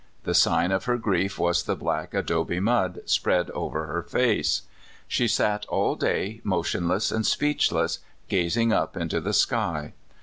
The sign of her grief was the black adobe mud spread over her face. She sat all day motionless and speechless, gazing up into the sky.